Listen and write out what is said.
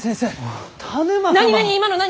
今の何？